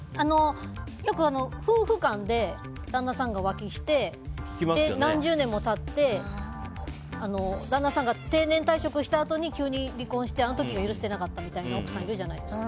よく夫婦間で旦那さんが浮気して何十年も経って旦那さんが定年退職したあとに急に離婚してあの時は許してなかったっていう奥さんいるじゃないですか。